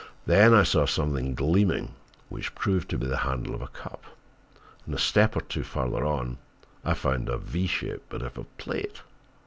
Then I saw something gleaming, which proved to be the handle of a cup, and a step or two farther on I found a V shaped bit of a plate.